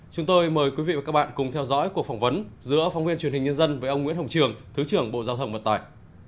chúng tôi mời quý vị và các bạn cùng theo dõi cuộc phỏng vấn giữa phóng viên truyền hình nhân dân với ông nguyễn hồng trường thứ trưởng bộ giao thông mật tài